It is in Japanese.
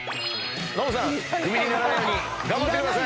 ノブさん、クビにならないように頑張ってください。